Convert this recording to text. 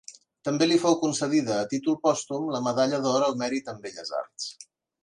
També li fou concedida a títol pòstum la medalla d'or al mèrit en Belles Arts.